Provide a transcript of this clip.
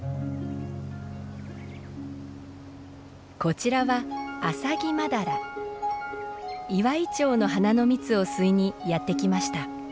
こちらはイワイチョウの花の蜜を吸いにやって来ました。